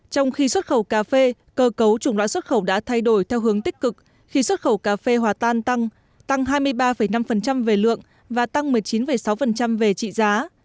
trong khi xuất khẩu cà phê cơ cấu chủng loại xuất khẩu đã thay đổi theo hướng tích cực khi xuất khẩu cà phê hòa tan tăng tăng hai mươi ba năm về lượng và tăng một mươi chín sáu về trị giá